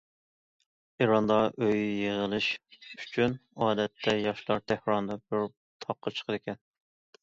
ئىراندا ئۆي يىغىلىشى ئۈچۈن ئادەتتە ياشلار تېھراندا بىر تاغقا چىقىدىكەن.